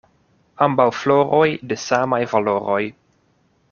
Ambaŭ floroj de samaj valoroj.